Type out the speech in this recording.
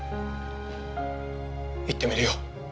行ってみるよ。